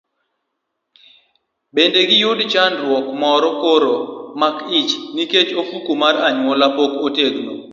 Bende giyud chandruok mar koro mako ich nikech ofuko mar nyuol pok otegno.